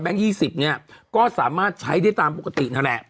๒๐เนี่ยก็สามารถใช้ได้ตามปกตินั่นแหละ